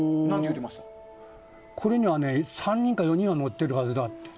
これには３人か４人が乗っているはずだと。